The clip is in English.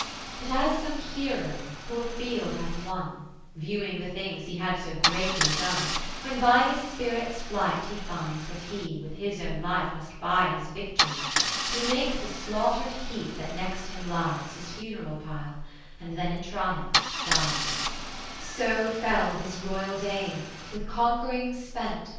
But as some hero who a field hath won, Viewing the things he had so greatly done, When by his spirit's flight he finds that he With hisownlifemustbuy his victory, He makes the slaughter'd heap that next him lies His funeral pile, and then in triumph dies : So fell this Royal Dame, with con quering spent.